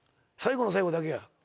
最後の最後だけや。